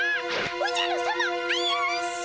おじゃるさま危うし！